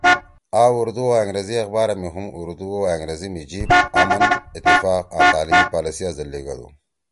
آ ارود او أنگریزی اخبارا می ہُم اردو او انگریزی می جیِب، آمن، اتفاق آں تعلیمی پالیسیا زید لیِگدُو۔